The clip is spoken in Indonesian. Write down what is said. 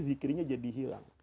zikirnya jadi hilang